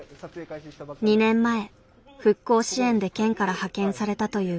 ２年前復興支援で県から派遣されたという彼。